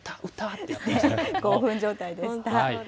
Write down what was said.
っ興奮状態でした。